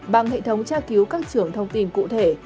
bằng hệ thống tra cứu các trường thông tin cụ thể